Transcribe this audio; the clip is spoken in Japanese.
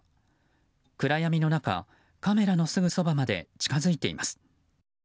暗闇の中、カメラのすぐそばまで近づいています。